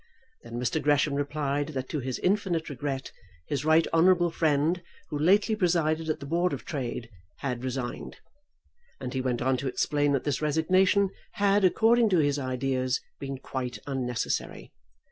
Then Mr. Gresham replied that to his infinite regret his right honourable friend, who lately presided at the Board of Trade, had resigned; and he went on to explain that this resignation had, according to his ideas, been quite unnecessary.